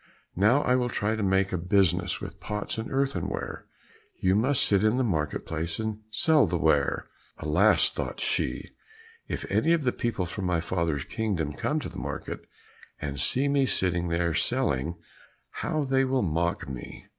Now I will try to make a business with pots and earthenware; you must sit in the market place and sell the ware." "Alas," thought she, "if any of the people from my father's kingdom come to the market and see me sitting there, selling, how they will mock me?"